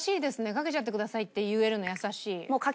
「かけちゃってください」って言えるの優しい。